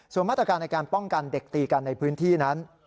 ส่วนมาตรการในการป้องกันเด็กตีกันในพื้นที่นั้น